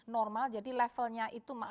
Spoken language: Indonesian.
normal jadi levelnya itu